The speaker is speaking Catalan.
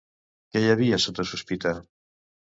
Qui hi havia sota sospita?